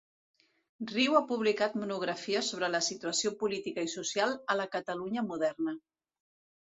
Riu ha publicat monografies sobre la situació política i social a la Catalunya moderna.